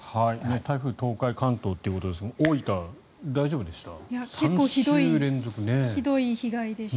台風東海、関東ということですが大分、大丈夫でした？